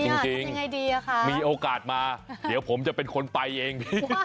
เอิ้นงันยังไงดีอะคะกลับมามีโอกาสมาเดี๋ยวผมจะเป็นคนไปเอง